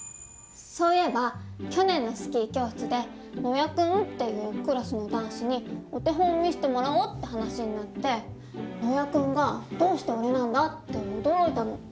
そういえば去年のスキー教室で野矢君っていうクラスの男子にお手本を見せてもらおうって話になって野矢君が「どうして俺なんだ？」って驚いたの。